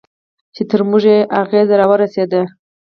چې تر موږ یې اغېز راورسېد.